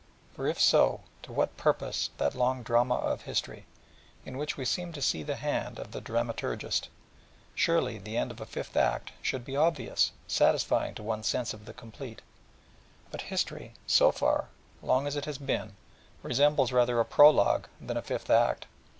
For, if so, to what purpose that long drama of History, in which we seem to see the Hand of the Dramaturgist? Surely, the end of a Fifth Act should be obvious, satisfying to one's sense of the complete: but History, so far, long as it has been, resembles rather a Prologue than a Fifth Act.